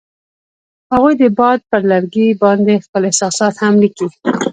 هغوی د باد پر لرګي باندې خپل احساسات هم لیکل.